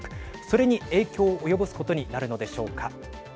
それに影響を及ぼすことになるのでしょうか。